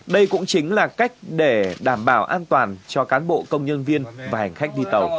đây cũng chính là cách để đảm bảo an toàn cho cán bộ công nhân viên và hành khách đi tàu